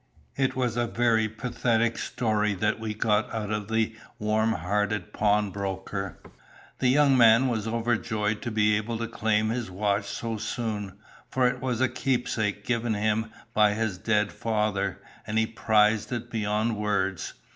It was a very pathetic story that we got out of the warm hearted pawnbroker. The young man was overjoyed to be able to claim his watch so soon, for it was a keepsake given him by his dead father, and he 'prized it beyond words.'